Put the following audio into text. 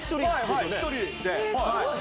はい１人で。